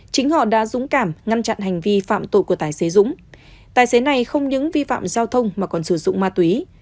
chính họ đã dũng cảm ngăn chặn hành vi phạm tội của tài xế dũng tài xế này không những vi phạm giao thông mà còn sử dụng ma túy